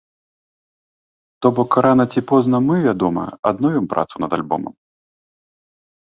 То бок, рана ці позна мы, вядома, адновім працу над альбомам.